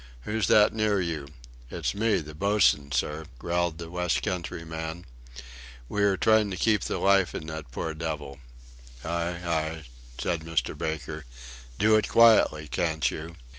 Who's that near you?" "It's me the boatswain, sir," growled the West country man; "we are trying to keep life in that poor devil." "Aye, aye!" said Mr. Baker. "Do it quietly, can't you?"